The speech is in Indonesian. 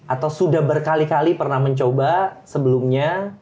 atau sudah berkali kali pernah mencoba sebelumnya